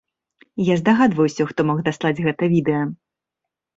А я здагадваюся, хто мог даслаць гэта відэа.